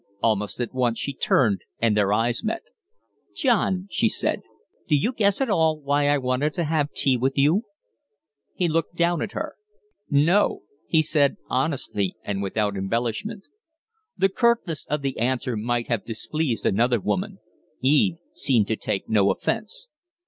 Almost at once she turned, and their eyes met. "John," she said, "do you guess at all why I wanted to have tea with you?" He looked down at her. "No," he said, honestly and without embellishment. The curtness of the answer might have displeased another woman. Eve seemed to take no offence.